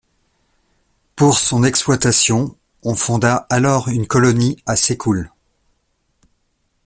Pour son exploitation, on fonda alors une colonie à Sekul.